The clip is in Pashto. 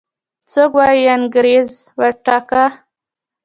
څوک وايي انګريز وګاټه.